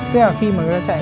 tức là khi mà người ta chạy